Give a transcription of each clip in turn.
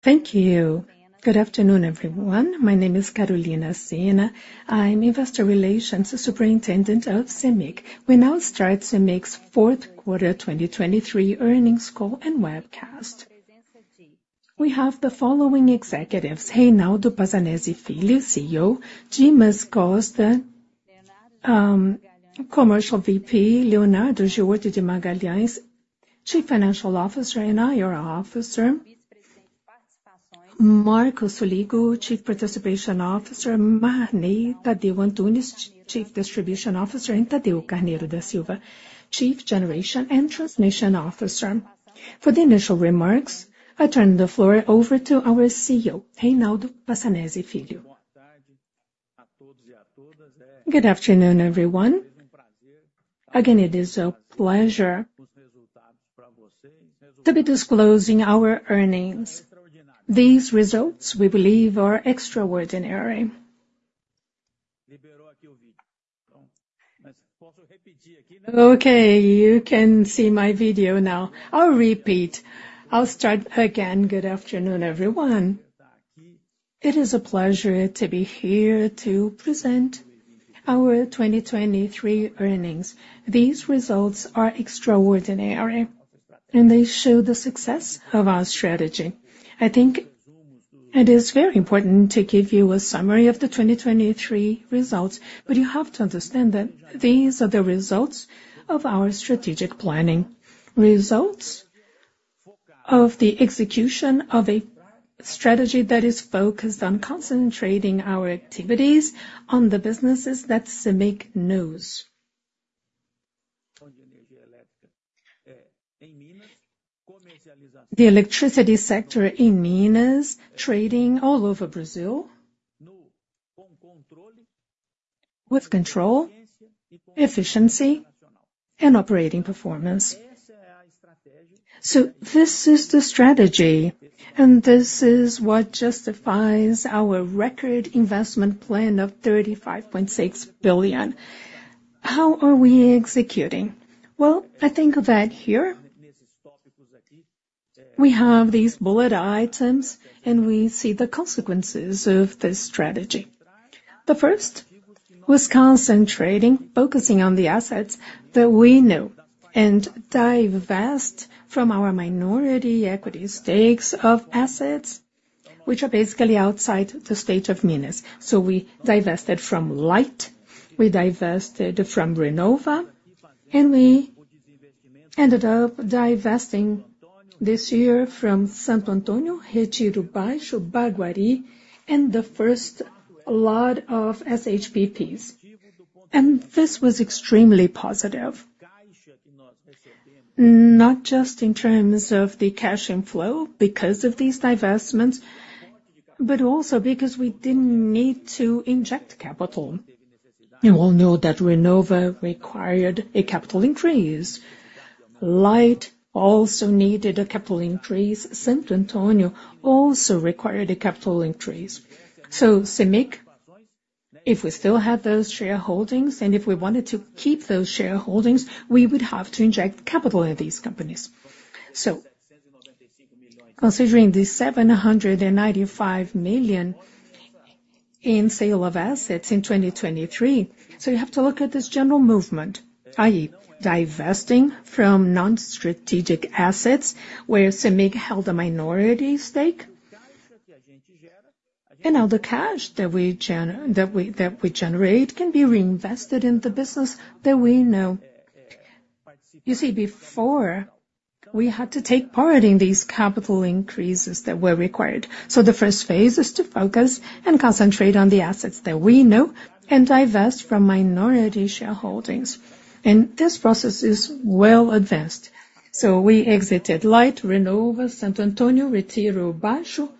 Thank you. Good afternoon, everyone. My name is Carolina Sena. I'm Investor Relations Superintendent of Cemig. We now start Cemig's Q4 2023 earnings call and webcast. We have the following executives: Reinaldo Passanezi Filho, CEO; Dimas Costa, Commercial VP; Leonardo George de Magalhães, Chief Financial Officer and IR Officer; Marco Soligo, Chief Participation Officer; Marney Tadeu Antunes, Chief Distribution Officer; and Tadeu Carneiro da Silva, Chief Generation and Transmission Officer. For the initial remarks, I turn the floor over to our CEO, Reinaldo Passanezi Filho. Good afternoon, everyone. Again, it is a pleasure to be disclosing our earnings. These results, we believe, are extraordinary. Okay, you can see my video now. I'll repeat. I'll start again. Good afternoon, everyone. It is a pleasure to be here to present our 2023 earnings. These results are extraordinary, and they show the success of our strategy. I think it is very important to give you a summary of the 2023 results, but you have to understand that these are the results of our strategic planning. Results of the execution of a strategy that is focused on concentrating our activities on the businesses that Cemig knows. The electricity sector in Minas, trading all over Brazil, with control, efficiency and operating performance. So this is the strategy, and this is what justifies our record investment plan of 35.6 billion. How are we executing? Well, I think that here we have these bullet items, and we see the consequences of this strategy. The first was concentrating, focusing on the assets that we know, and divest from our minority equity stakes of assets, which are basically outside the state of Minas. So we divested from Light, we divested from Renova, and we ended up divesting this year from Santo Antônio, Retiro Baixo, Baguari, and the first lot of SHPPs. And this was extremely positive, not just in terms of the cash inflow because of these divestments, but also because we didn't need to inject capital. You all know that Renova required a capital increase. Light also needed a capital increase. Santo Antônio also required a capital increase. So Cemig, if we still had those shareholdings, and if we wanted to keep those shareholdings, we would have to inject capital in these companies. So considering the 795 million in sale of assets in 2023, so you have to look at this general movement, i.e., divesting from non-strategic assets where Cemig held a minority stake. And now the cash that we generate can be reinvested in the business that we know. You see, before, we had to take part in these capital increases that were required. So the first phase is to focus and concentrate on the assets that we know and divest from minority shareholdings. And this process is well advanced. So we exited Light, Renova, Santo Antônio, Retiro Baixo,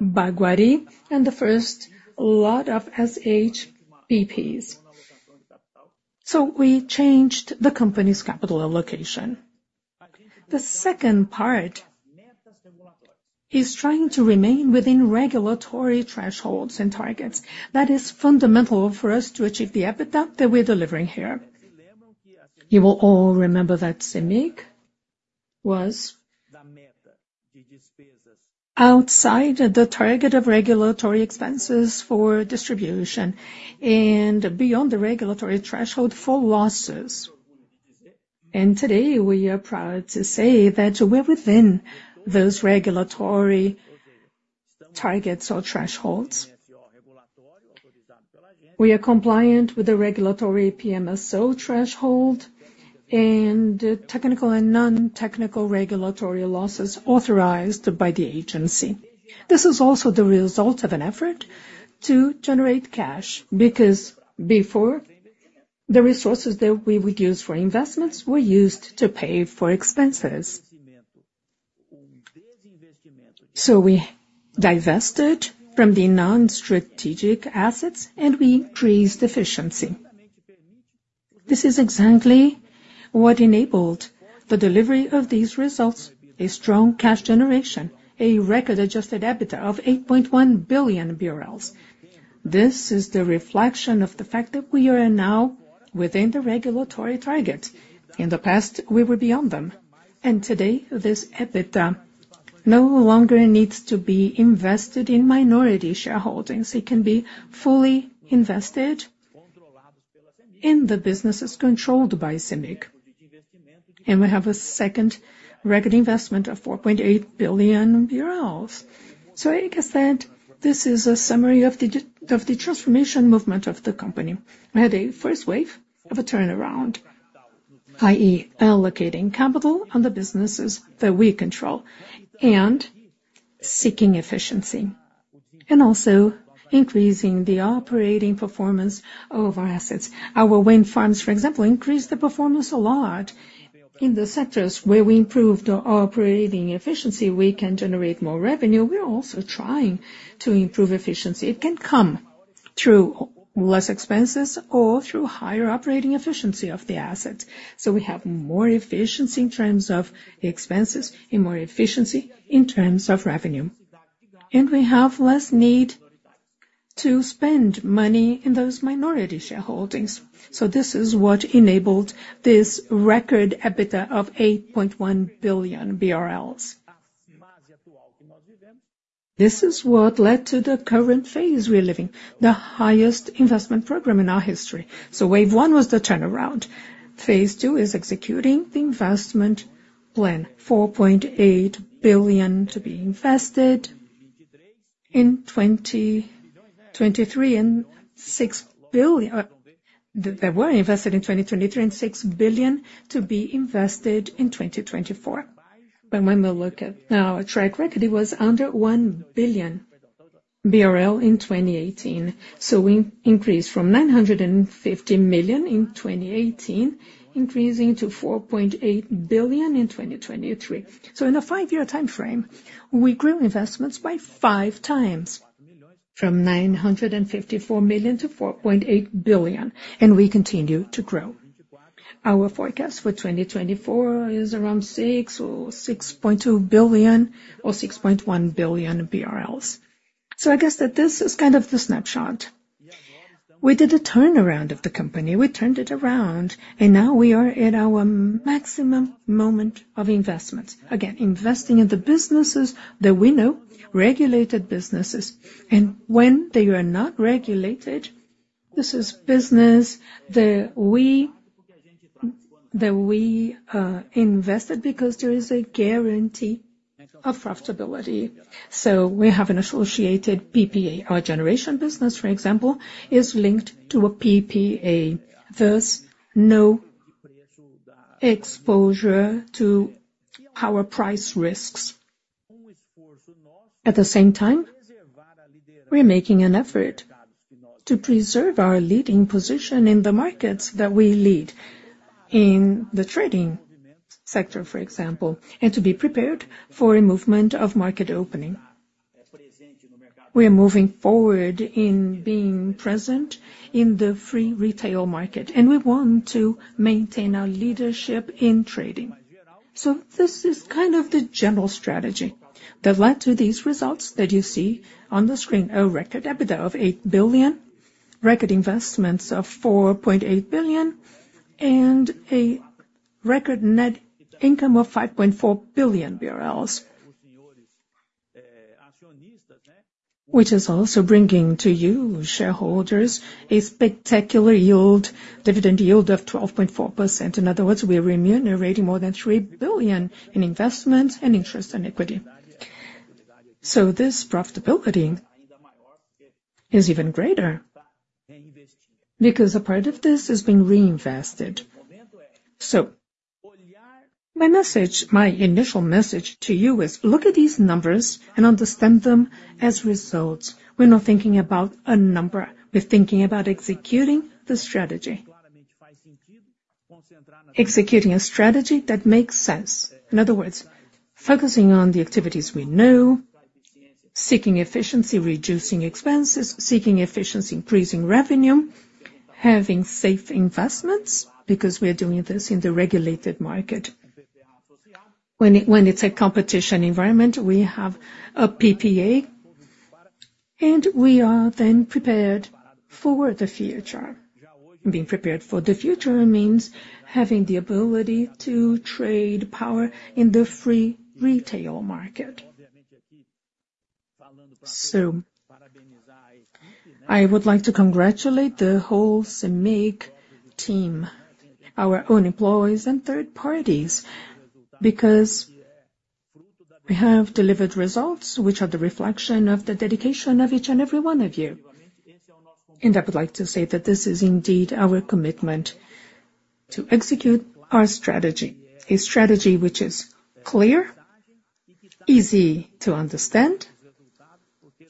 Baguari, and the first lot of SHPPs. So we changed the company's capital allocation. The second part is trying to remain within regulatory thresholds and targets. That is fundamental for us to achieve the EBITDA that we're delivering here. You will all remember that Cemig was outside the target of regulatory expenses for distribution and beyond the regulatory threshold for losses. And today, we are proud to say that we're within those regulatory targets or thresholds. We are compliant with the regulatory PMSO threshold and technical and non-technical regulatory losses authorized by the agency. This is also the result of an effort to generate cash, because before, the resources that we would use for investments were used to pay for expenses. So we divested from the non-strategic assets, and we increased efficiency. This is exactly what enabled the delivery of these results, a strong cash generation, a record-adjusted EBITDA of 8.1 billion. This is the reflection of the fact that we are now within the regulatory target. In the past, we were beyond them, and today, this EBITDA no longer needs to be invested in minority shareholdings. It can be fully invested in the businesses controlled by Cemig. And we have a second record investment of BRL 4.8 billion. So like I said, this is a summary of the transformation movement of the company. We had a first wave of a turnaround, i.e., allocating capital on the businesses that we control and seeking efficiency, and also increasing the operating performance of our assets. Our wind farms, for example, increased the performance a lot. In the sectors where we improved our operating efficiency, we can generate more revenue. We're also trying to improve efficiency. It can come through less expenses or through higher operating efficiency of the assets. So we have more efficiency in terms of expenses and more efficiency in terms of revenue. And we have less need to spend money in those minority shareholdings. So this is what enabled this record EBITDA of 8.1 billion BRL. This is what led to the current phase we're living, the highest investment program in our history. So wave one was the turnaround. Phase two is executing the investment plan, 4.8 billion to be invested in 2023, and 6 billion- that were invested in 2023, and 6 billion to be invested in 2024. But when we look at our track record, it was under 1 billion BRL in 2018. So we increased from 950 million in 2018, increasing to 4.8 billion in 2023. So in a five-year timeframe, we grew investments by five times, from 954 million to 4.8 billion, and we continue to grow. Our forecast for 2024 is around 6 or 6.2 billion or 6.1 billion BRL. So I guess that this is kind of the snapshot. We did a turnaround of the company. We turned it around, and now we are at our maximum moment of investment. Again, investing in the businesses that we know, regulated businesses, and when they are not regulated, this is business that we invested because there is a guarantee of profitability. So we have an associated PPA. Our generation business, for example, is linked to a PPA, thus no exposure to power price risks. At the same time, we're making an effort to preserve our leading position in the markets that we lead, in the trading sector, for example, and to be prepared for a movement of market opening. We are moving forward in being present in the free retail market, and we want to maintain our leadership in trading. So this is kind of the general strategy that led to these results that you see on the screen. A record EBITDA of 8 billion, record investments of 4.8 billion, and a record net income of 5.4 billion BRL. Which is also bringing to you, shareholders, a spectacular yield, dividend yield of 12.4%. In other words, we are remunerating more than 3 billion in investment and interest and equity. So this profitability is even greater, because a part of this is being reinvested. So my message, my initial message to you is, look at these numbers and understand them as results. We're not thinking about a number, we're thinking about executing the strategy. Executing a strategy that makes sense. In other words, focusing on the activities we know, seeking efficiency, reducing expenses, seeking efficiency, increasing revenue, having safe investments, because we are doing this in the regulated market. When it's a competition environment, we have a PPA, and we are then prepared for the future. Being prepared for the future means having the ability to trade power in the free retail market. So I would like to congratulate the whole Cemig team, our own employees and third parties, because we have delivered results which are the reflection of the dedication of each and every one of you. I would like to say that this is indeed our commitment to execute our strategy, a strategy which is clear, easy to understand,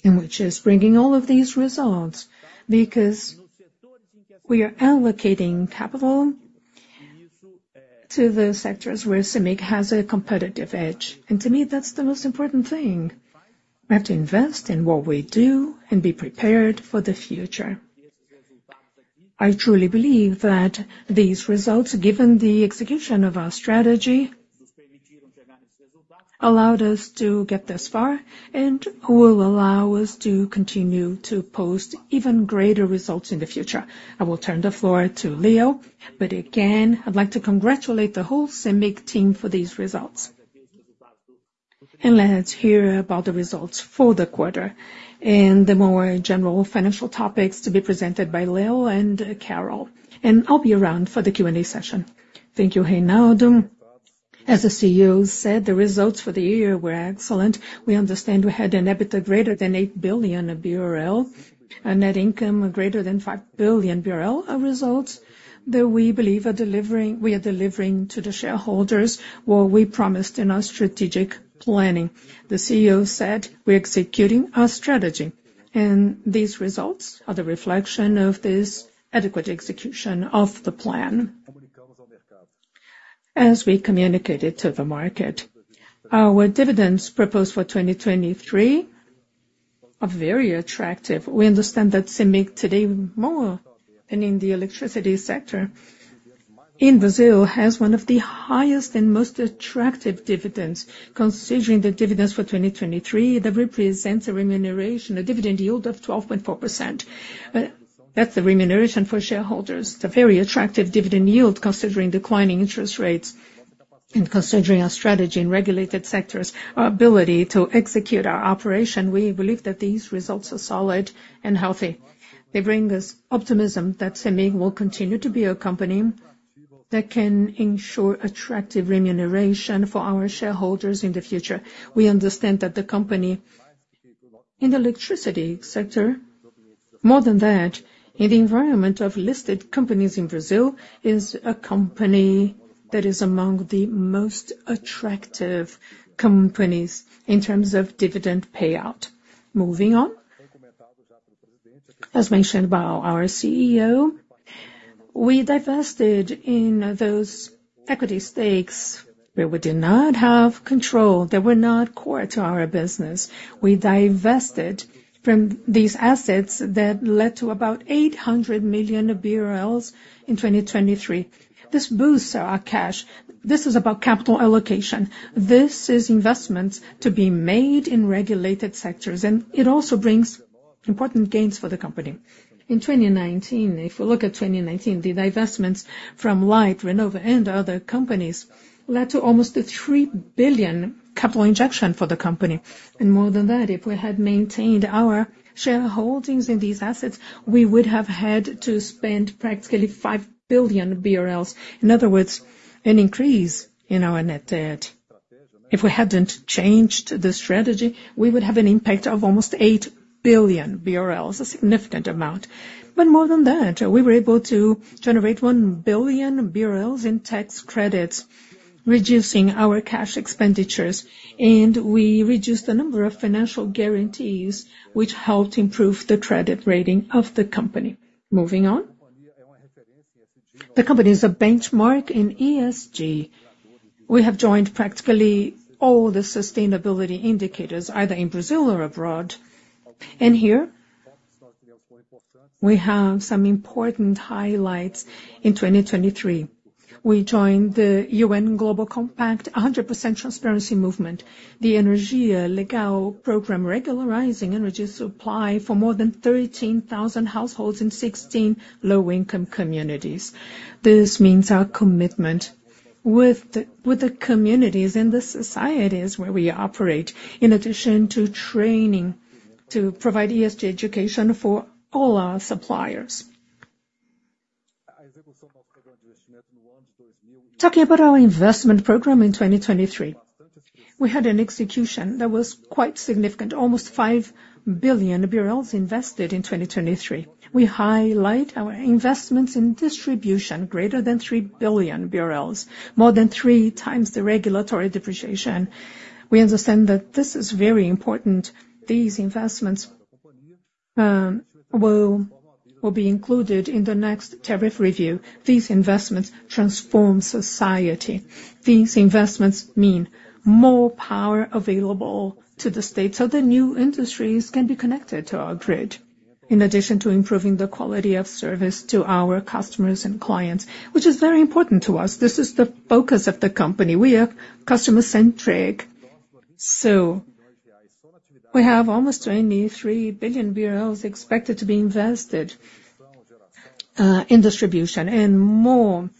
and which is bringing all of these results, because we are allocating capital to the sectors where Cemig has a competitive edge. To me, that's the most important thing. We have to invest in what we do and be prepared for the future. I truly believe that these results, given the execution of our strategy, allowed us to get this far, and will allow us to continue to post even greater results in the future. I will turn the floor to Leo, but again, I'd like to congratulate the whole Cemig team for these results. And let's hear about the results for the quarter, and the more general financial topics to be presented by Leo and Carol, and I'll be around for the Q&A session. Thank you, Reinaldo. As the CEO said, the results for the year were excellent. We understand we had an EBITDA greater than 8 billion BRL, a net income of greater than 5 billion BRL, a result that we believe are delivering, we are delivering to the shareholders what we promised in our strategic planning. The CEO said we're executing our strategy, and these results are the reflection of this adequate execution of the plan, as we communicated to the market. Our dividends proposed for 2023 are very attractive. We understand that Cemig today, more than in the electricity sector, in Brazil, has one of the highest and most attractive dividends. Considering the dividends for 2023, that represents a remuneration, a dividend yield of 12.4%. But that's the remuneration for shareholders. It's a very attractive dividend yield, considering declining interest rates and considering our strategy in regulated sectors, our ability to execute our operation, we believe that these results are solid and healthy. They bring us optimism that Cemig will continue to be a company that can ensure attractive remuneration for our shareholders in the future. We understand that the company, in the electricity sector, more than that, in the environment of listed companies in Brazil, is a company that is among the most attractive companies in terms of dividend payout. Moving on. As mentioned by our CEO, we divested in those equity stakes where we did not have control, they were not core to our business. We divested from these assets that led to about 800 million in 2023. This boosts our cash. This is about capital allocation. This is investments to be made in regulated sectors, and it also brings important gains for the company. In 2019, if we look at 2019, the divestments from Light, Renova, and other companies led to almost a 3 billion capital injection for the company. More than that, if we had maintained our shareholdings in these assets, we would have had to spend practically 5 billion BRL. In other words, an increase in our net debt. If we hadn't changed the strategy, we would have an impact of almost 8 billion BRL, a significant amount. But more than that, we were able to generate 1 billion BRL in tax credits, reducing our cash expenditures, and we reduced the number of financial guarantees, which helped improve the credit rating of the company. Moving on. The company is a benchmark in ESG. We have joined practically all the sustainability indicators, either in Brazil or abroad. Here, we have some important highlights in 2023. We joined the UN Global Compact, 100% transparency movement, the Energia Legal program, regularizing energy supply for more than 13,000 households in 16 low-income communities. This means our commitment with the communities and the societies where we operate, in addition to training to provide ESG education for all our suppliers. Talking about our investment program in 2023, we had an execution that was quite significant, almost BRL 5 billion invested in 2023. We highlight our investments in distribution, greater than 3 billion BRL, more than 3 times the regulatory depreciation. We understand that this is very important. These investments will be included in the next tariff review. These investments transform society. These investments mean more power available to the state, so the new industries can be connected to our grid, in addition to improving the quality of service to our customers and clients, which is very important to us. This is the focus of the company. We are customer-centric. So we have almost BRL 23 billion expected to be invested in distribution, and more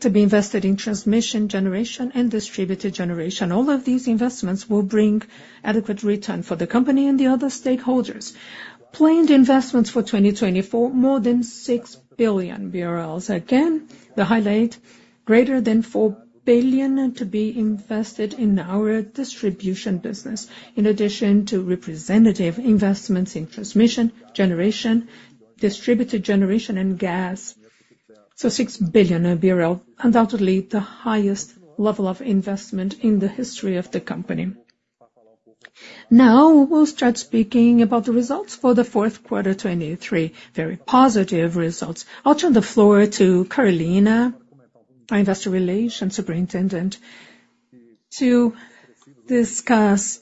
to be invested in transmission, generation, and distributed generation. All of these investments will bring adequate return for the company and the other stakeholders. Planned investments for 2024, more than 6 billion BRL. Again, the highlight, greater than 4 billion to be invested in our distribution business, in addition to representative investments in transmission, generation, distributed generation, and gas. So 6 billion, undoubtedly the highest level of investment in the history of the company. Now, we'll start speaking about the results for the Q4, 2023. Very positive results. I'll turn the floor to Carolina, our Investor Relations Superintendent, to discuss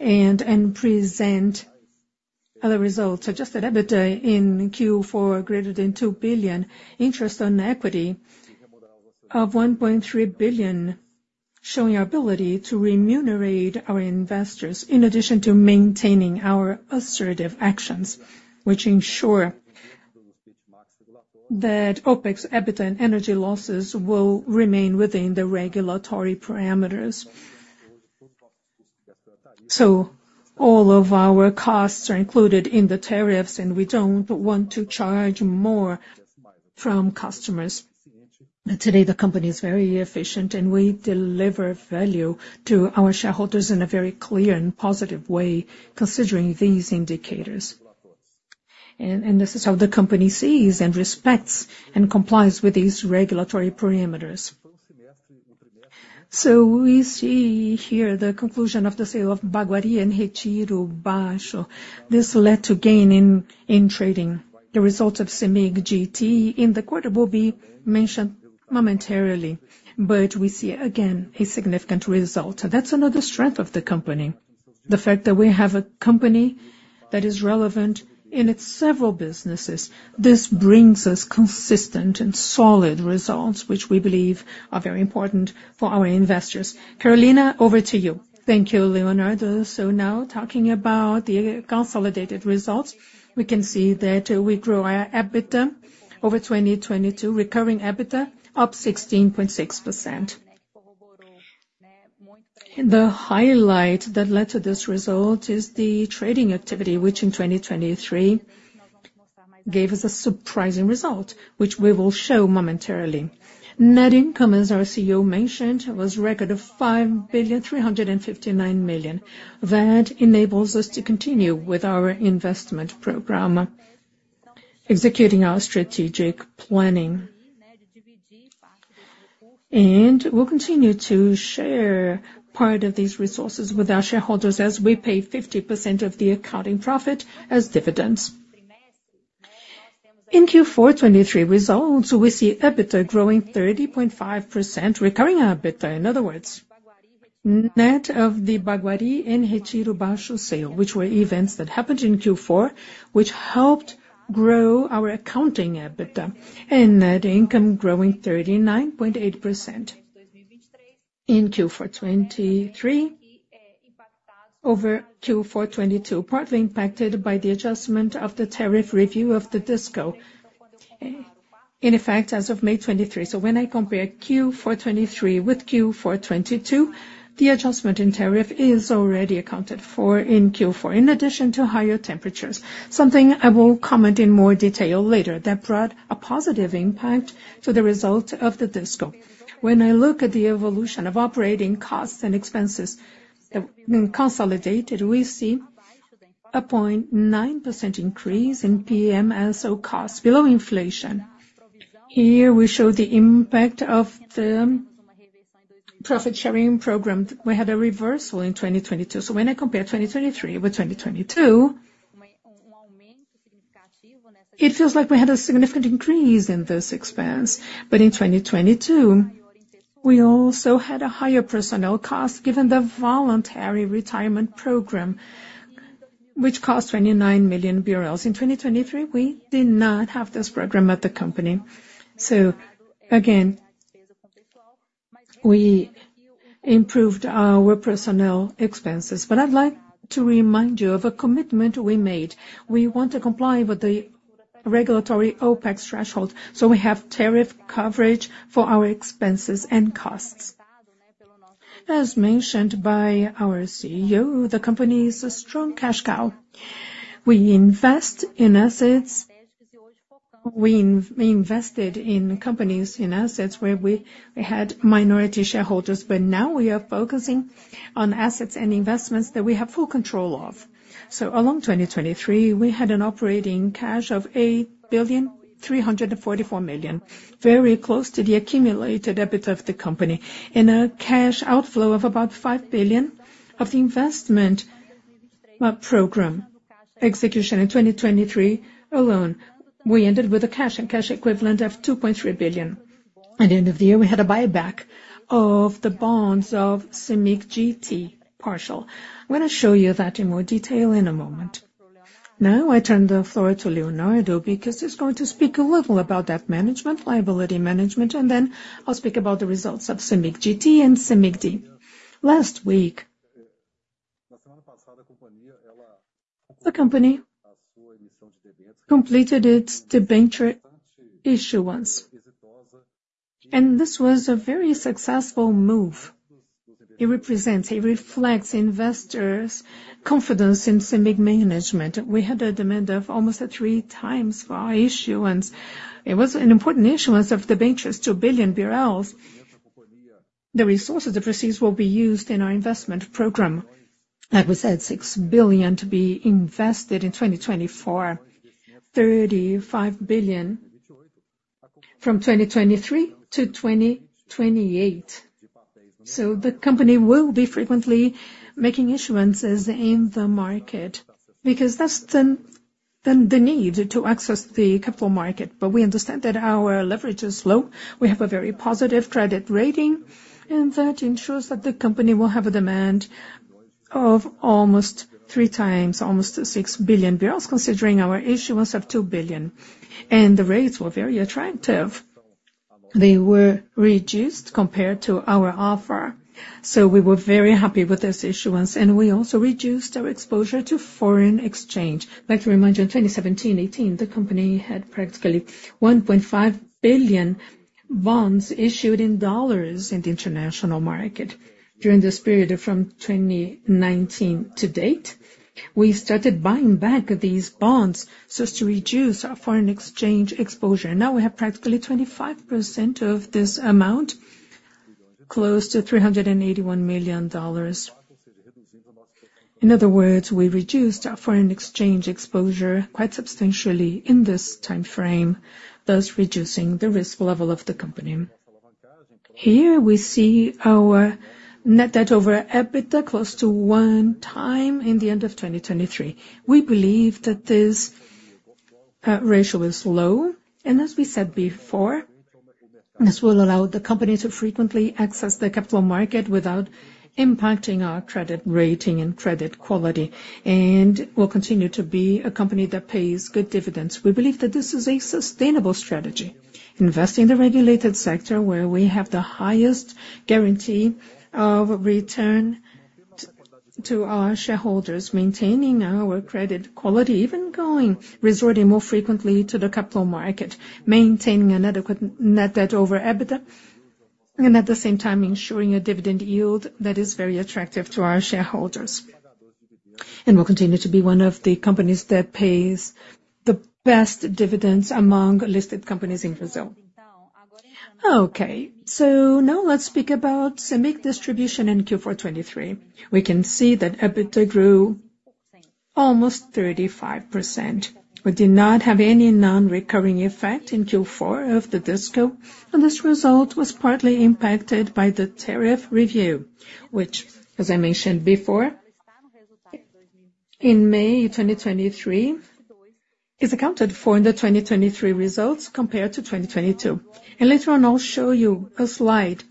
and present other results, adjusted EBITDA in Q4, greater than 2 billion. Interest on equity of 1.3 billion, showing our ability to remunerate our investors, in addition to maintaining our assertive actions, which ensure that OpEx, EBITDA, and energy losses will remain within the regulatory parameters. So all of our costs are included in the tariffs, and we don't want to charge more from customers. Today, the company is very efficient, and we deliver value to our shareholders in a very clear and positive way, considering these indicators. And, and this is how the company sees and respects, and complies with these regulatory parameters. So we see here the conclusion of the sale of Baguari and Retiro Baixo. This led to gain in, in trading. The result of Cemig GT in the quarter will be mentioned momentarily, but we see again, a significant result. That's another strength of the company. The fact that we have a company that is relevant in its several businesses, this brings us consistent and solid results, which we believe are very important for our investors. Carolina, over to you. Thank you, Leonardo. Now talking about the consolidated results, we can see that we grew our EBITDA over 2022, recurring EBITDA, up 16.6%. The highlight that led to this result is the trading activity, which in 2023 gave us a surprising result, which we will show momentarily. Net income, as our CEO mentioned, was a record of 5,359 million. That enables us to continue with our investment program, executing our strategic planning. We'll continue to share part of these resources with our shareholders, as we pay 50% of the accounting profit as dividends. In Q4 2023 results, we see EBITDA growing 30.5%, recurring EBITDA. In other words, net of the Baguari and Retiro Baixo sale, which were events that happened in Q4, which helped grow our accounting EBITDA and net income growing 39.8% in Q4 2023 over Q4 2022, partly impacted by the adjustment of the tariff review of the Disco, in effect as of May 2023. So when I compare Q4 2023 with Q4 2022, the adjustment in tariff is already accounted for in Q4, in addition to higher temperatures. Something I will comment in more detail later, that brought a positive impact to the result of the Disco. When I look at the evolution of operating costs and expenses that have been consolidated, we see a 0.9% increase in PMSO costs, below inflation. Here, we show the impact of the profit-sharing program. We had a reversal in 2022, so when I compare 2023 with 2022, it feels like we had a significant increase in this expense. But in 2022, we also had a higher personnel cost, given the voluntary retirement program, which cost 29 million BRL. In 2023, we did not have this program at the company. So again, we improved our personnel expenses. But I'd like to remind you of a commitment we made. We want to comply with the regulatory OPEX threshold, so we have tariff coverage for our expenses and costs. As mentioned by our CEO, the company is a strong cash cow. We invest in assets. We invested in companies, in assets where we had minority shareholders, but now we are focusing on assets and investments that we have full control of. So along 2023, we had an operating cash of 8.344 billion, very close to the accumulated EBITDA of the company, and a cash outflow of about 5 billion of the investment program execution in 2023 alone. We ended with a cash and cash equivalent of 2.3 billion. At the end of the year, we had a buyback of the bonds of Cemig GT partial. I'm gonna show you that in more detail in a moment. Now, I turn the floor to Leonardo, because he's going to speak a little about debt management, liability management, and then I'll speak about the results of Cemig GT and Cemig D. Last week, the company completed its debenture issuance, and this was a very successful move. It represents, it reflects investors' confidence in Cemig management. We had a demand of almost three times for our issuance. It was an important issuance of debentures, 2 billion BRL. The resources, the proceeds, will be used in our investment program. Like we said, 6 billion to be invested in 2024, 35 billion from 2023 to 2028. So the company will be frequently making issuances in the market, because that's the need to access the capital market. But we understand that our leverage is low. We have a very positive credit rating, and that ensures that the company will have a demand of almost three times, almost 6 billion, considering our issuance of 2 billion. And the rates were very attractive. They were reduced compared to our offer, so we were very happy with this issuance, and we also reduced our exposure to foreign exchange. Like I remind you, in 2017, 2018, the company had practically $1.5 billion bonds issued in dollars in the international market. During this period, from 2019 to date, we started buying back these bonds so as to reduce our foreign exchange exposure. Now we have practically 25% of this amount, close to $381 million. In other words, we reduced our foreign exchange exposure quite substantially in this time frame, thus reducing the risk level of the company. Here we see our net debt over EBITDA, close to 1x at the end of 2023. We believe that this ratio is low, and as we said before, this will allow the company to frequently access the capital market without impacting our credit rating and credit quality, and we'll continue to be a company that pays good dividends. We believe that this is a sustainable strategy, invest in the regulated sector, where we have the highest guarantee of return to our shareholders, maintaining our credit quality, even resorting more frequently to the capital market, maintaining an adequate net debt over EBITDA, and at the same time, ensuring a dividend yield that is very attractive to our shareholders. We'll continue to be one of the companies that pays the best dividends among listed companies in Brazil. Okay, so now let's speak about Cemig Distribution in Q4 2023. We can see that EBITDA grew almost 35%. We did not have any non-recurring effect in Q4 of the Disco, and this result was partly impacted by the tariff review, which, as I mentioned before, in May 2023, is accounted for in the 2023 results compared to 2022. Later on, I'll show you a slide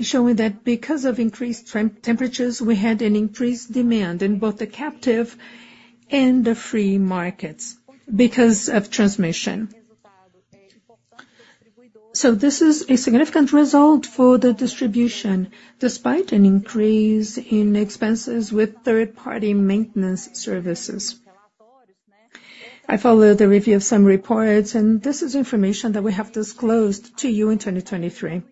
showing that because of increased temperatures, we had an increased demand in both the captive and the free markets because of transmission. This is a significant result for the distribution, despite an increase in expenses with third-party maintenance services. I followed the review of some reports, and this is information that we have disclosed to you in 2023.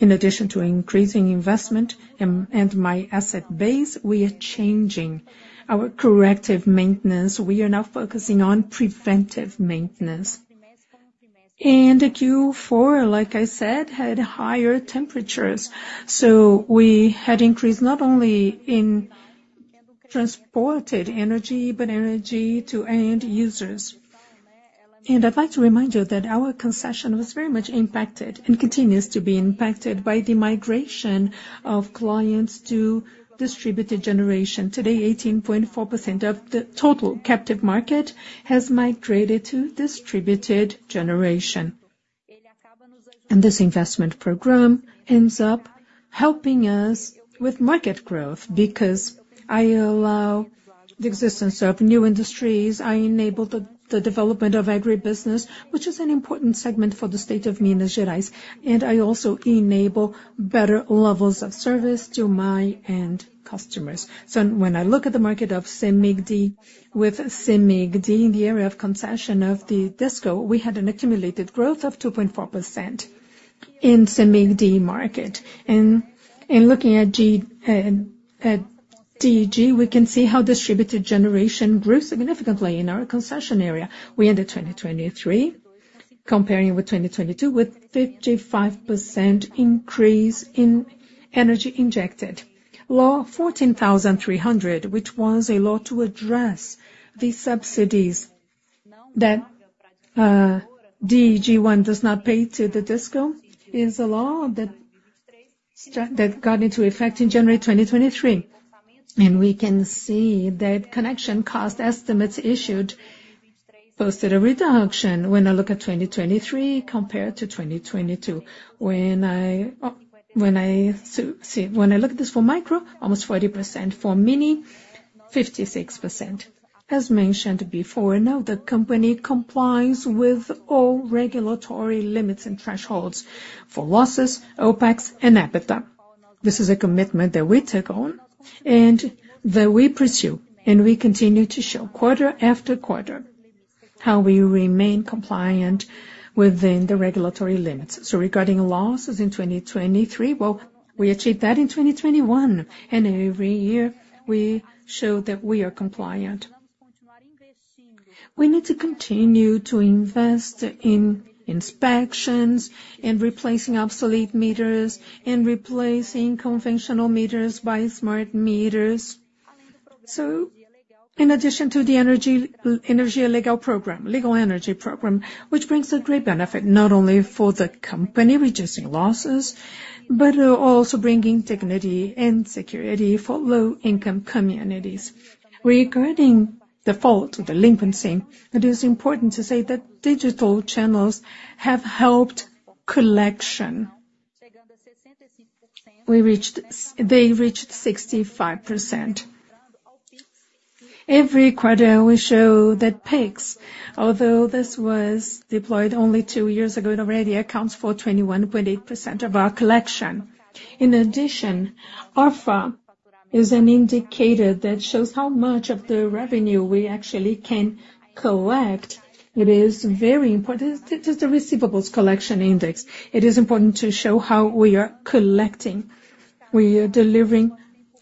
In addition to increasing investment and my asset base, we are changing our corrective maintenance. We are now focusing on preventive maintenance. Q4, like I said, had higher temperatures, so we had increased not only in transported energy, but energy to end users. I'd like to remind you that our concession was very much impacted, and continues to be impacted by the migration of clients to distributed generation. Today, 18.4% of the total captive market has migrated to distributed generation. This investment program ends up helping us with market growth, because I allow the existence of new industries, I enable the development of agribusiness, which is an important segment for the state of Minas Gerais, and I also enable better levels of service to my end customers. So when I look at the market of Cemig-D, with Cemig-D in the area of concession of the Disco, we had an accumulated growth of 2.4% in Cemig-D market. In looking at G, DG, we can see how distributed generation grew significantly in our concession area. We ended 2023, comparing with 2022, with 55% increase in energy injected. Law 14.300, which was a law to address the subsidies that DG 1.0 does not pay to the Disco, is a law that got into effect in January 2023. We can see that connection cost estimates issued posted a reduction when I look at 2023 compared to 2022. When I look at this for micro, almost 40%. For mini, 56%. As mentioned before, now the company complies with all regulatory limits and thresholds for losses, OpEx, and EBITDA. This is a commitment that we take on and that we pursue, and we continue to show quarter after quarter, how we remain compliant within the regulatory limits. So regarding losses in 2023, well, we achieved that in 2021, and every year, we show that we are compliant. We need to continue to invest in inspections and replacing obsolete meters and replacing conventional meters by smart meters. So in addition to the energy, Energia Legal program, Legal Energy Program, which brings a great benefit not only for the company, reducing losses, but also bringing dignity and security for low-income communities. Regarding default or delinquency, it is important to say that digital channels have helped collection. We reached—they reached 65%. Every quarter, we show that Pix, although this was deployed only two years ago, it already accounts for 21.8% of our collection. In addition, ARFA is an indicator that shows how much of the revenue we actually can collect. It is very important. It, it is the receivables collection index. It is important to show how we are collecting. We are delivering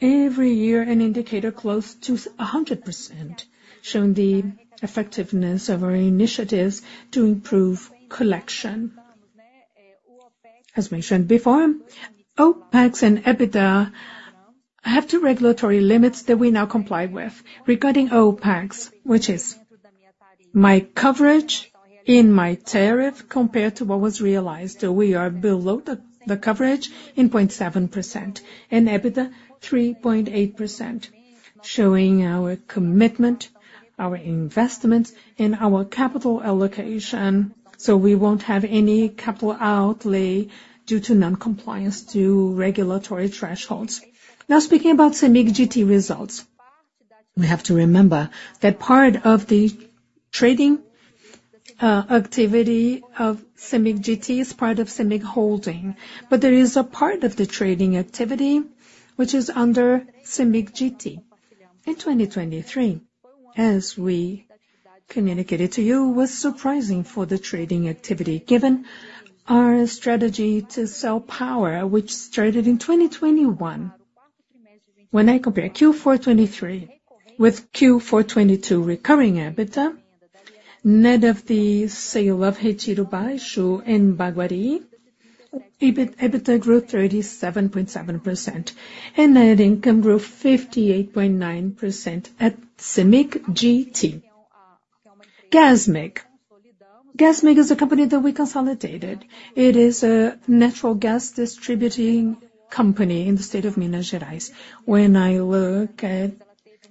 every year an indicator close to 100%, showing the effectiveness of our initiatives to improve collection. As mentioned before, OpEx and EBITDA have two regulatory limits that we now comply with. Regarding OpEx, which is my coverage in my tariff compared to what was realized, we are below the coverage in 0.7%. In EBITDA, 3.8%, showing our commitment, our investment, and our capital allocation, so we won't have any capital outlay due to non-compliance to regulatory thresholds. Now, speaking about Cemig GT results. We have to remember that part of the trading activity of Cemig GT is part of Cemig Holding, but there is a part of the trading activity which is under Cemig GT. In 2023, as we communicated to you, was surprising for the trading activity, given our strategy to sell power, which started in 2021. When I compare Q4 2023 with Q4 2022 recurring EBITDA, net of the sale of Retiro Baixo and Baguari, EBITDA grew 37.7% and net income grew 58.9% at Cemig GT. Gasmig. Gasmig is a company that we consolidated. It is a natural gas distributing company in the state of Minas Gerais. When I look at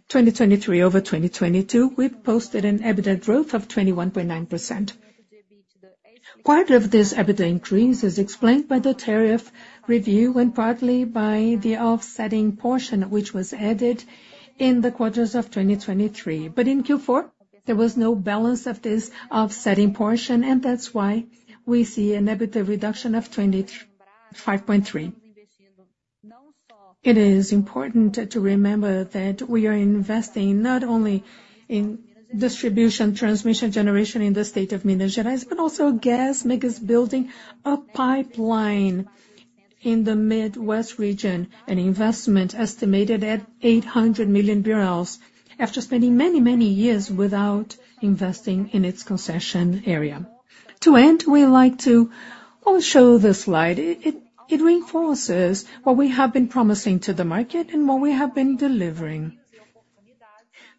2023 over 2022, we've posted an EBITDA growth of 21.9%. Part of this EBITDA increase is explained by the tariff review and partly by the offsetting portion, which was added in the quarters of 2023. But in Q4, there was no balance of this offsetting portion, and that's why we see an EBITDA reduction of 25.3. It is important to remember that we are investing not only in distribution, transmission, generation in the state of Minas Gerais, but also Gasmig is building a pipeline in the Midwest region, an investment estimated at 800 million BRL, after spending many, many years without investing in its concession area. To end, we'd like to all show this slide. It reinforces what we have been promising to the market and what we have been delivering,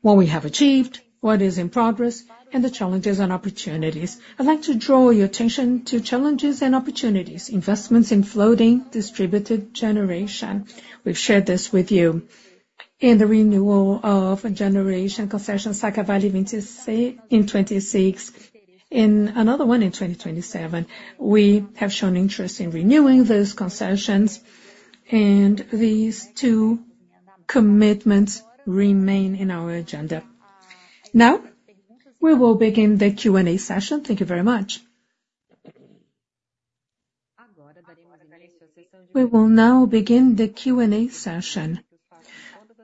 what we have achieved, what is in progress, and the challenges and opportunities. I'd like to draw your attention to challenges and opportunities, investments in floating distributed generation. We've shared this with you. In the renewal of generation concession, Sá Carvalho in 26, in 2026, and another one in 2027. We have shown interest in renewing those concessions, and these two commitments remain in our agenda. Now, we will begin the Q&A session. Thank you very much. We will now begin the Q&A session.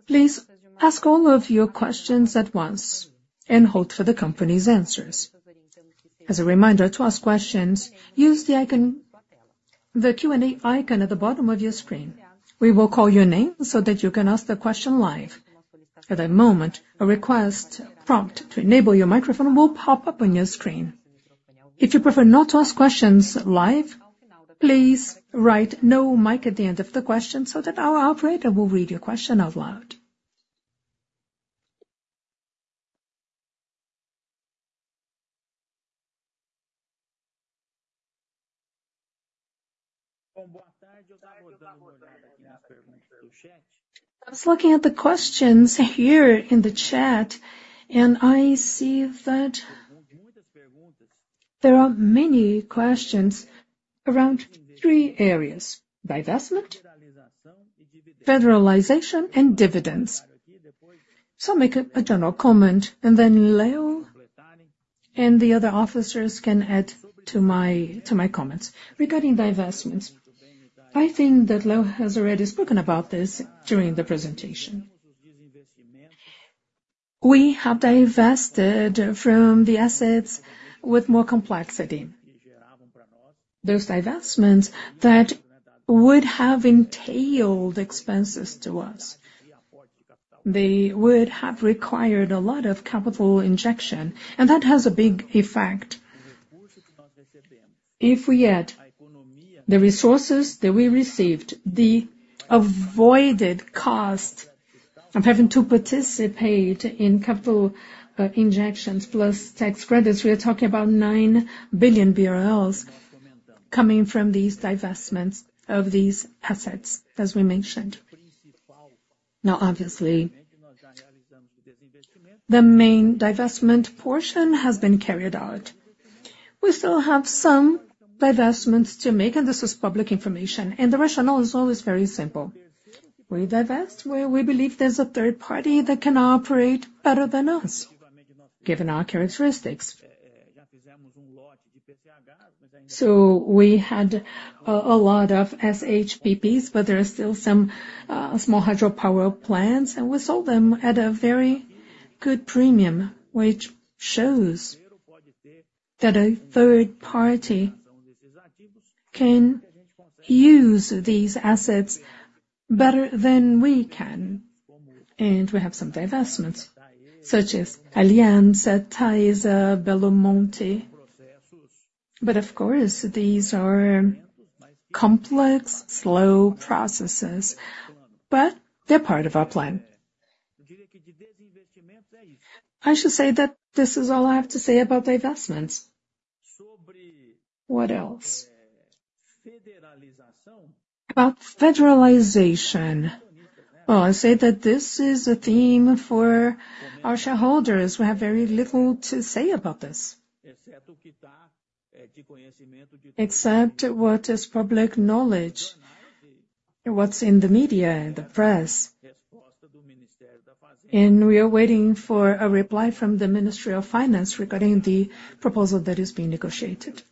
Please ask all of your questions at once and hold for the company's answers. As a reminder, to ask questions, use the icon, the Q&A icon at the bottom of your screen. We will call your name so that you can ask the question live. At that moment, a request prompt to enable your microphone will pop up on your screen. If you prefer not to ask questions live, please write "No mic" at the end of the question, so that our operator will read your question out loud. I was looking at the questions here in the chat, and I see that there are many questions around three areas: divestment, federalization, and dividends. So I'll make a general comment, and then Leo and the other officers can add to my comments. Regarding divestments, I think that Leo has already spoken about this during the presentation. We have divested from the assets with more complexity. Those divestments that would have entailed expenses to us, they would have required a lot of capital injection, and that has a big effect. If we add the resources that we received, the avoided cost of having to participate in capital injections plus tax credits, we are talking about 9 billion BRL coming from these divestments of these assets, as we mentioned. Now, obviously, the main divestment portion has been carried out. We still have some divestments to make, and this is public information, and the rationale is always very simple: we divest where we believe there's a third party that can operate better than us, given our characteristics. So we had a lot of SHPPs, but there are still some small hydropower plants, and we sold them at a very good premium, which shows that a third party can use these assets better than we can. And we have some divestments, such as Aliança, Taesa, Belo Monte. But of course, these are complex, slow processes, but they're part of our plan. I should say that this is all I have to say about divestments. What else? About federalization, well, I say that this is a theme for our shareholders. We have very little to say about this, except what is public knowledge, and what's in the media and the press. We are waiting for a reply from the Ministry of Finance regarding the proposal that is being negotiated.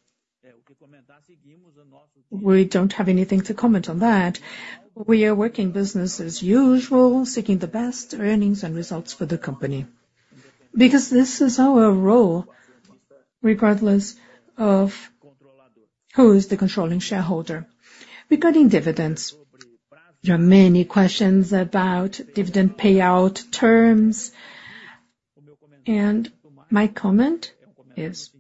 We don't have anything to comment on that. We are working business as usual, seeking the best earnings and results for the company, because this is our role, regardless of who is the controlling shareholder. Regarding dividends, there are many questions about dividend payout terms, and my comment is,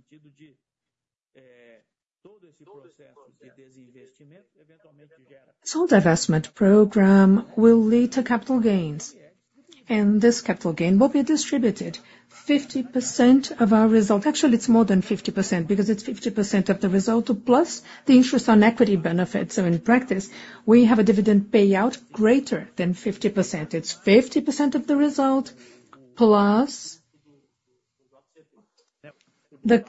this whole divestment program will lead to capital gains, and this capital gain will be distributed. 50% of our result—actually, it's more than 50%, because it's 50% of the result, plus the interest on equity benefits. So in practice, we have a dividend payout greater than 50%. It's 50% of the result, plus the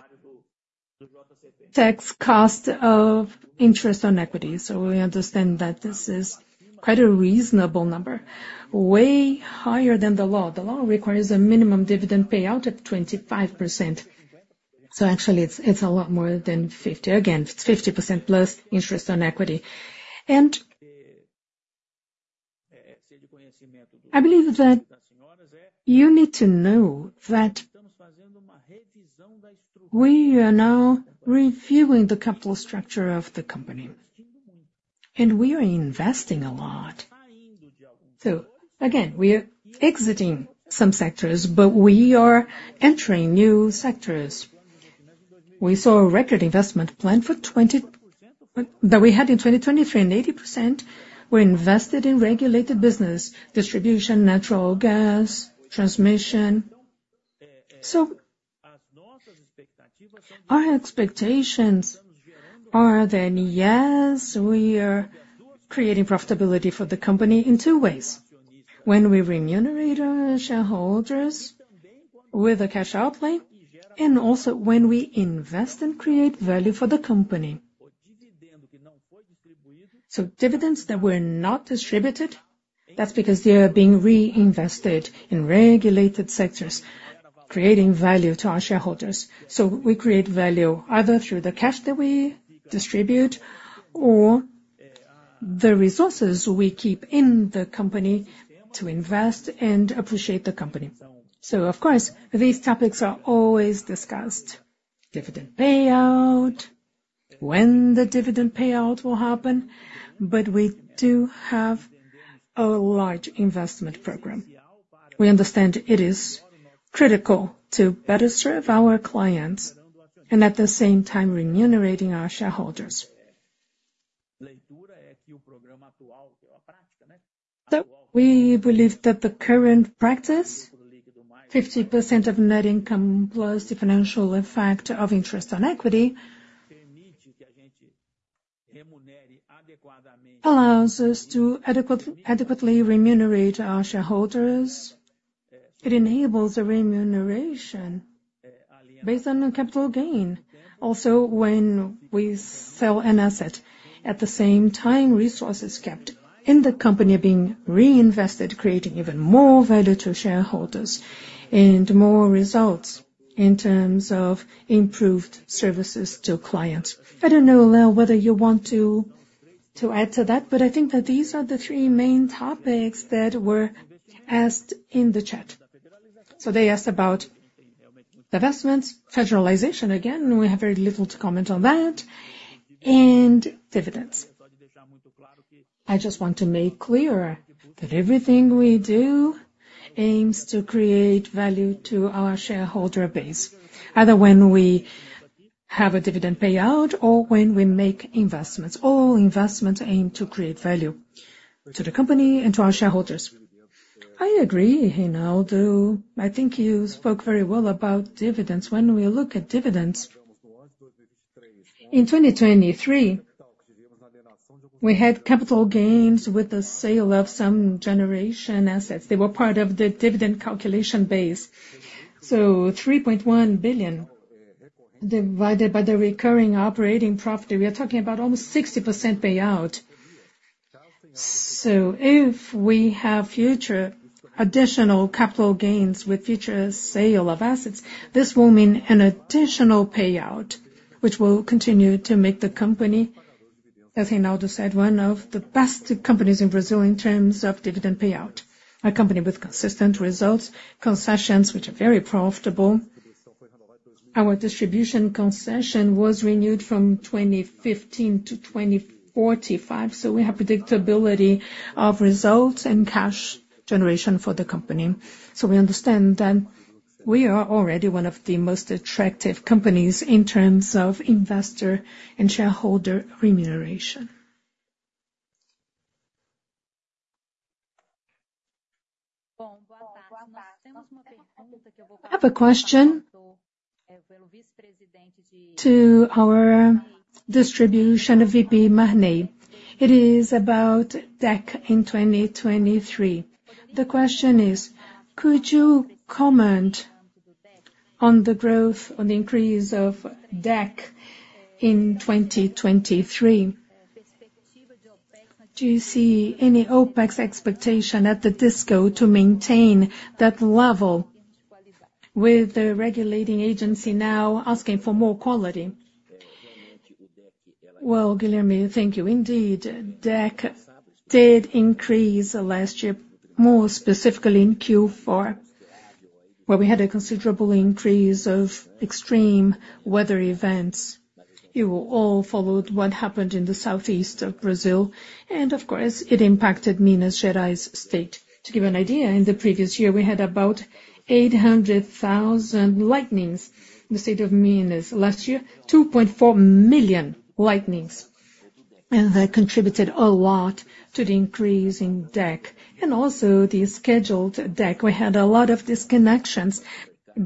tax cost of interest on equity. So we understand that this is quite a reasonable number, way higher than the law. The law requires a minimum dividend payout of 25%. So actually, it's, it's a lot more than 50. Again, it's 50% plus interest on equity. And I believe that you need to know that we are now reviewing the capital structure of the company, and we are investing a lot. So again, we are exiting some sectors, but we are entering new sectors. We saw a record investment plan for twenty-- that we had in 2023, and 80% were invested in regulated business: distribution, natural gas, transmission. So our expectations are that, yes, we are creating profitability for the company in two ways: when we remunerate our shareholders with a cash outlay, and also when we invest and create value for the company. So dividends that were not distributed, that's because they are being reinvested in regulated sectors, creating value to our shareholders. So we create value either through the cash that we distribute or the resources we keep in the company to invest and appreciate the company. So of course, these topics are always discussed. Dividend payout, when the dividend payout will happen, but we do have a large investment program. We understand it is critical to better serve our clients and, at the same time, remunerating our shareholders. So we believe that the current practice, 50% of net income, plus the financial effect of interest on equity, allows us to adequately remunerate our shareholders. It enables a remuneration based on a capital gain. Also, when we sell an asset, at the same time, resources kept in the company are being reinvested, creating even more value to shareholders and more results in terms of improved services to clients. I don't know, Leo, whether you want to add to that, but I think that these are the three main topics that were asked in the chat. So they asked about divestments, federalization, again, we have very little to comment on that, and dividends. I just want to make clear that everything we do aims to create value to our shareholder base, either when we have a dividend payout or when we make investments. All investments aim to create value to the company and to our shareholders. I agree, Reinaldo. I think you spoke very well about dividends. When we look at dividends... In 2023, we had capital gains with the sale of some generation assets. They were part of the dividend calculation base. So 3.1 billion, divided by the recurring operating profit, we are talking about almost 60% payout. So if we have future additional capital gains with future sale of assets, this will mean an additional payout, which will continue to make the company, as Reinaldo said, one of the best companies in Brazil in terms of dividend payout. A company with consistent results, concessions which are very profitable. Our distribution concession was renewed from 2015 to 2045, so we have predictability of results and cash generation for the company. So we understand that we are already one of the most attractive companies in terms of investor and shareholder remuneration. I have a question to our distribution VP, Marney. It is about DEC in 2023. The question is: Could you comment on the growth, on the increase of DEC in 2023? Do you see any OpEx expectation at the Disco to maintain that level with the regulating agency now asking for more quality? Well, Guilherme, thank you. Indeed, DEC did increase last year, more specifically in Q4, where we had a considerable increase of extreme weather events. You all followed what happened in the Southeast of Brazil, and of course, it impacted Minas Gerais state. To give you an idea, in the previous year, we had about 800,000 lightnings. In the state of Minas last year, 2.4 million lightnings, and that contributed a lot to the increase in DEC. And also the scheduled DEC, we had a lot of disconnections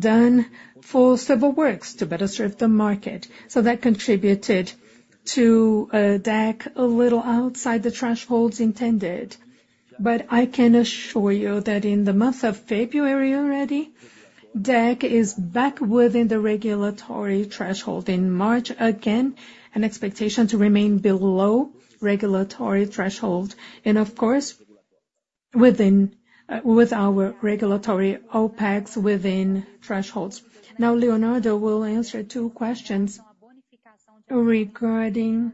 done for civil works to better serve the market. So that contributed to, DEC a little outside the thresholds intended. But I can assure you that in the month of February already, DEC is back within the regulatory threshold. In March, again, an expectation to remain below regulatory threshold, and of course, within, with our regulatory OpEx within thresholds. Now, Leonardo will answer two questions regarding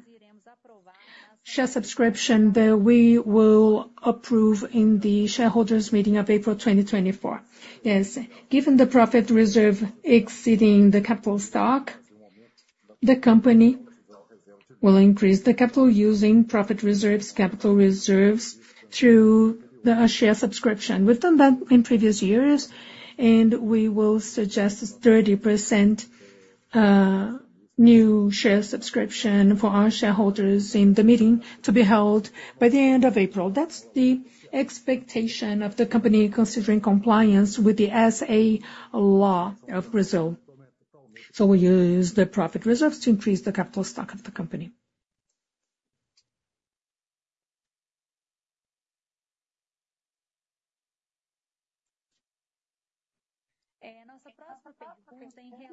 share subscription that we will approve in the shareholders meeting of April 2024. Yes. Given the profit reserve exceeding the capital stock, the company will increase the capital using profit reserves, capital reserves through the, share subscription. We've done that in previous years, and we will suggest 30%, new share subscription for our shareholders in the meeting to be held by the end of April. That's the expectation of the company, considering compliance with the SA law of Brazil. So we'll use the profit reserves to increase the capital stock of the company.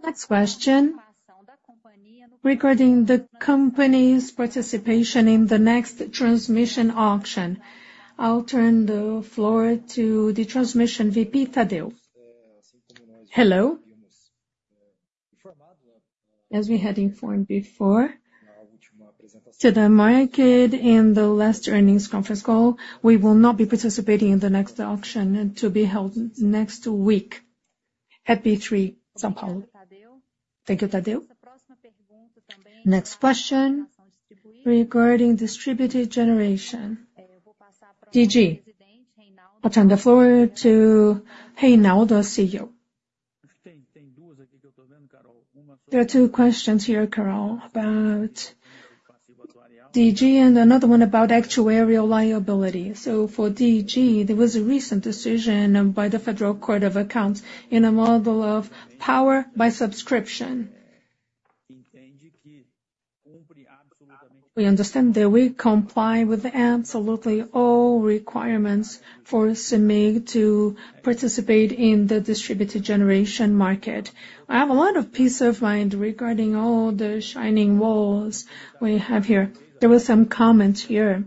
Next question, regarding the company's participation in the next transmission auction. I'll turn the floor to the transmission VP, Thadeu. Hello. As we had informed before to the market in the last earnings conference call, we will not be participating in the next auction to be held next week at B3, São Paulo. Thank you, Thadeu. Next question regarding distributed generation, DG. I'll turn the floor to Reinaldo, CEO. There are two questions here, Carol, about DG and another one about actuarial liability. So for DG, there was a recent decision by the Federal Court of Accounts in a model of power by subscription. We understand that we comply with absolutely all requirements for Cemig to participate in the distributed generation market. I have a lot of peace of mind regarding all the shining walls we have here. There were some comments here,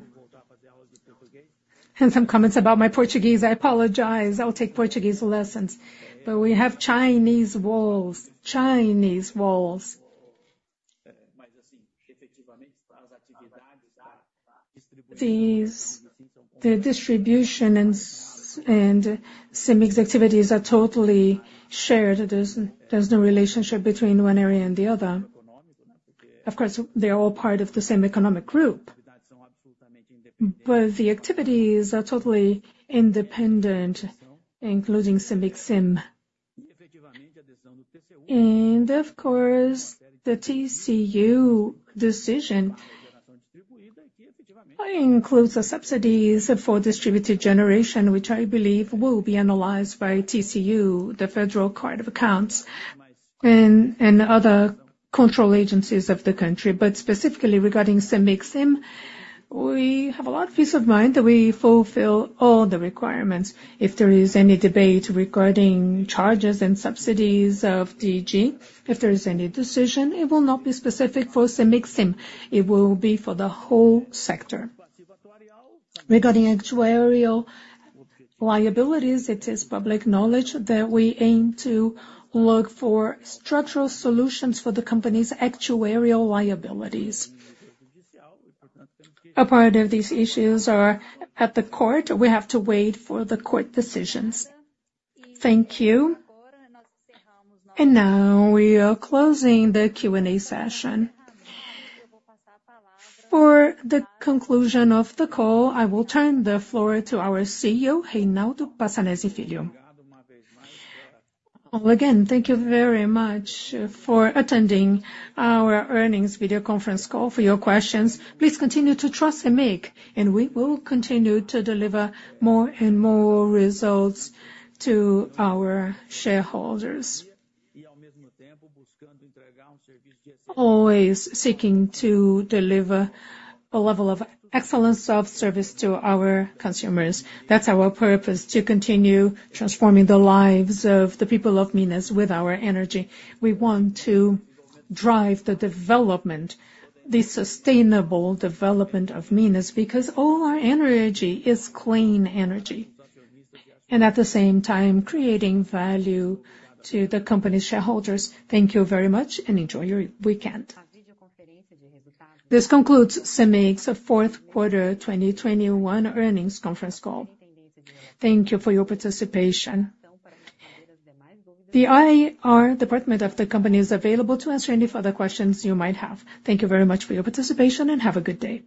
and some comments about my Portuguese. I apologize. I will take Portuguese lessons. But we have Chinese walls. Chinese walls. These, the distribution and Cemig's activities are totally shared. There's no relationship between one area and the other. Of course, they are all part of the same economic group, but the activities are totally independent, including Cemig SIM. And of course, the TCU decision includes the subsidies for distributed generation, which I believe will be analyzed by TCU, the Federal Court of Accounts, and other control agencies of the country. But specifically regarding Cemig SIM, we have a lot of peace of mind that we fulfill all the requirements. If there is any debate regarding charges and subsidies of DG, if there is any decision, it will not be specific for Cemig SIM, it will be for the whole sector. Regarding actuarial liabilities, it is public knowledge that we aim to look for structural solutions for the company's actuarial liabilities. A part of these issues are at the court. We have to wait for the court decisions. Thank you. Now we are closing the Q&A session. For the conclusion of the call, I will turn the floor to our CEO, Reinaldo Passanezi Filho. Well, again, thank you very much for attending our earnings video conference call for your questions. Please continue to trust Cemig, and we will continue to deliver more and more results to our shareholders. Always seeking to deliver a level of excellence of service to our consumers. That's our purpose, to continue transforming the lives of the people of Minas with our energy. We want to drive the development, the sustainable development of Minas, because all our energy is clean energy, and at the same time, creating value to the company's shareholders. Thank you very much, and enjoy your weekend. This concludes Cemig's Q4 2021 earnings conference call. Thank you for your participation. The IR department of the company is available to answer any further questions you might have. Thank you very much for your participation, and have a good day.